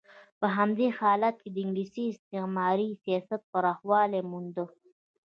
په همدې حالت کې د انګلیس استعماري سیاست پراخوالی مونده.